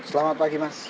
selamat pagi mas